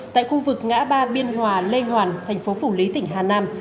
tại khu vực ngã ba biên hòa lê hoàn thành phố phủ lý tỉnh hà nam